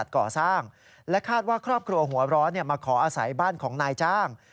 ก่อสร้างและคาดว่าครอบครัวหัวร้อนมาขออาศัยบ้านของนายจ้าง